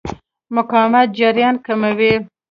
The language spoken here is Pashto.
مقاومت جریان کموي.